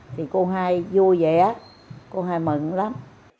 thì cô hai vui vẻ cô hai mận lắm